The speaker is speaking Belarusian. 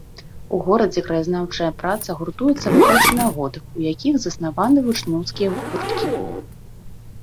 У горадзе краязнаўчая праца гуртуецца вакол сямігодак, у якіх заснаваны вучнёўскія гурткі.